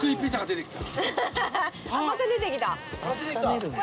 出てきた。